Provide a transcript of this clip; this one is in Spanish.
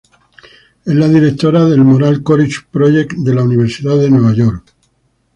Es la directora del Moral Courage Project en la Universidad de Nueva York.